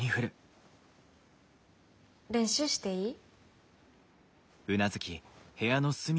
練習していい？